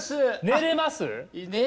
寝れます！